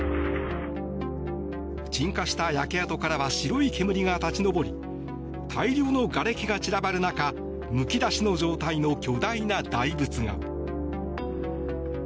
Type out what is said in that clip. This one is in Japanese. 鎮火した焼け跡からは白い煙が立ち上り大量のがれきが散らばる中むき出しの状態の巨大な大仏が。